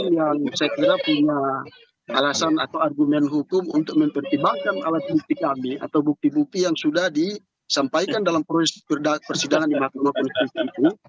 yang saya kira punya alasan atau argumen hukum untuk mempertimbangkan alat bukti kami atau bukti bukti yang sudah disampaikan dalam proses persidangan di mahkamah konstitusi itu